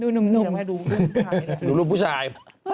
หนุ่มดูรูปผู้ชาย